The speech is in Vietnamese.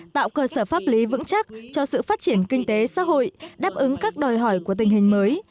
tạo cơ sở pháp lý vững chắc cho sự phát triển kinh tế xã hội đáp ứng các đòi hỏi của tình hình mới